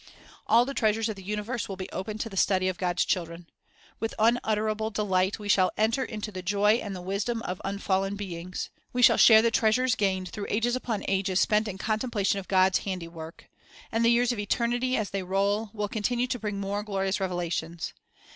All the treasures of the universe will be open to the study of God's children. With unutterable delight we shall enter into the joy and the wisdom of unfallen beings. We shall share the treasures gained through ages upon ages spent in contemplation of God's handi work. And the years of eternity, as they roll, will continue to bring more glorious revelations.